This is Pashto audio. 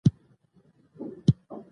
تر ټولو غوره څه د علم او زده کړې په اړه.